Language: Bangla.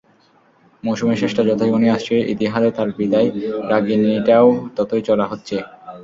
মৌসুমের শেষটা যতই ঘনিয়ে আসছে, ইতিহাদে তাঁর বিদায় রাগিণীটাও ততই চড়া হচ্ছে।